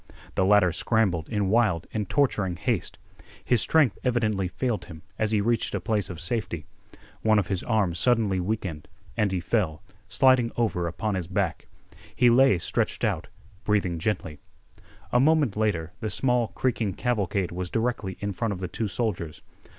The latter scrambled in wild and torturing haste. His strength evidently failed him as he reached a place of safety. One of his arms suddenly weakened, and he fell, sliding over upon his back. He lay stretched out, breathing gently. A moment later the small, creaking cavalcade was directly in front of the two soldiers.